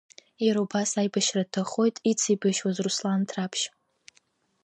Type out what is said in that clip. Иара убас аибашьра дҭахоит ицеибашьуаз Руслан Ҭраԥшь.